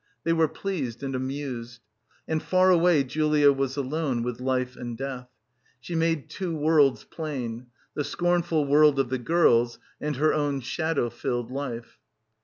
They were pleased and amused. And far away, Julia was alone with life and death. She made two worlds plain, the scornful world of the girls and her own shadow filled life.